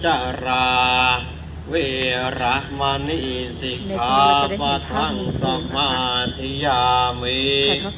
อธินาธาเวระมะนิสิขาปะทังสมาธิยามี